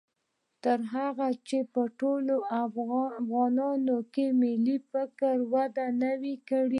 تر هغو چې په ټولو افغانانو کې ملي فکر وده و نه کړي